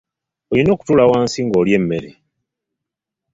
Olina okutuula wansi nga olya emmere.